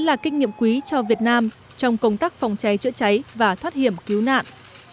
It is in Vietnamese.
là kinh nghiệm quý cho việt nam trong công tác phòng cháy chữa cháy và thoát hiểm cứu nạn